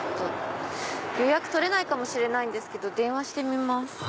予約取れないかもしれないけど電話してみます。